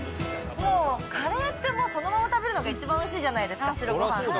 もうカレーってそのまま食べるのが一番おいしいじゃないですか、白ごはんと。